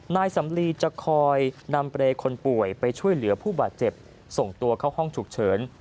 นายสำลีจะคอยนำเปรย์คนป่วยไปช่วยเหลือผู้บาดเจ็บส่งตัวเข้าห้องฉุกเฉิน